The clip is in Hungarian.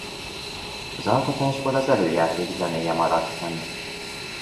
Az alkotásból az előjáték zenéje maradt fenn.